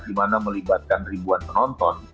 dimana melibatkan ribuan penonton